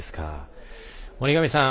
森上さん